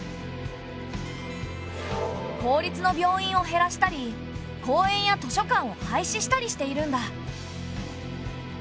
公立の病院を減らしたり公園や図書館を廃止したりしているんだ。